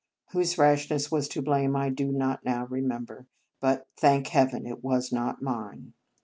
Whose rashness was to blame I do not now remember; but, thank Heaven ! it was not mine.